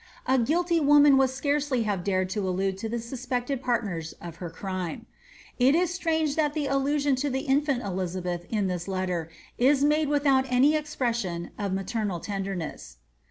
A guilty woman would scarcely have dared to allude to the suspected part ners of her crime. It is strange that the allusion to the infimt Elixabeth in this letter is made without any expression of maternal tenderness.